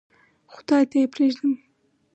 خدای ته یې پرېږدم.